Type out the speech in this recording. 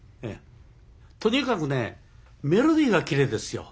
とにかくねメロディーがきれいですよ。